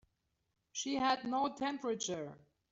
She had no temperature.